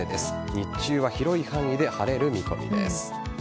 日中は広い範囲で晴れる見込みです。